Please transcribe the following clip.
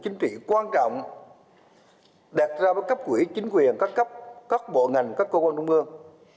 chính trị quan trọng đạt ra bởi cấp quỹ chính quyền các cấp các bộ ngành các cơ quan đồng mương